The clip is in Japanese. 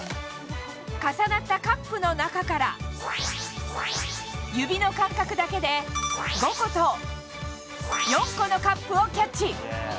重なったカップの中から、指の感覚だけで、５個と４個のカップをキャッチ。